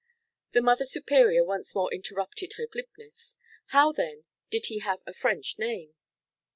The Mother Superior once more interrupted her glibness. How, then, did he have a French name?